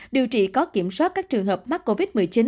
điều trị có kiểm soát các trường hợp mắc covid một mươi chín